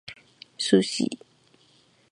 sushi